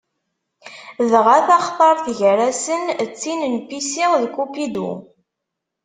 Dɣa taxtart gar-asent d tin n Psici d Kupidu.